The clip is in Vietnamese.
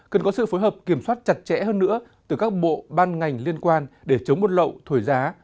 cần có sự phối hợp kiểm soát chặt chẽ hơn nữa từ các bộ ban ngành liên quan để chống buôn lậu thổi giá